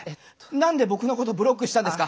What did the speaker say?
なんで僕のことブロックしたんですか？